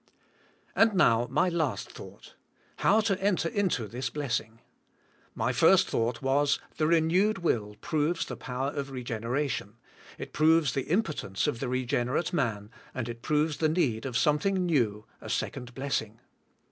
And now my last thought: How to enter into this blessing'. My first thought was, the renewed will proves the power of regeneration; it proves the im po.tence of the regenerate man and it proves the need of something new, a second blessing.